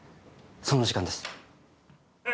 その時間です。